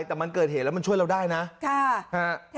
แต่มันเกิดเหตุแล้วมันช่วยเราได้นะ